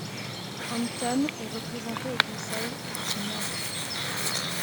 Hampton est représenté au conseil par son maire.